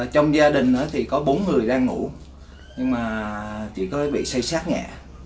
trong gia đình thì có bốn người đang ngủ nhưng mà chỉ có bị xây xác nhà